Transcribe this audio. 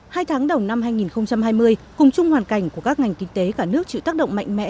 hai tháng đầu năm hai nghìn hai mươi cùng chung hoàn cảnh của các ngành kinh tế cả nước chịu tác động mạnh mẽ